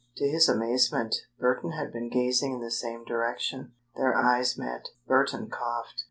To his amazement, Burton had been gazing in the same direction. Their eyes met. Burton coughed.